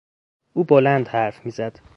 او بلند حرف میزد.